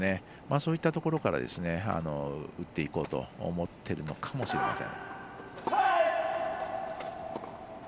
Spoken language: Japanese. そういったところから打っていこうと思っているのかもしれません。